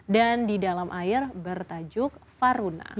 dan di dalam air bertajuk faruna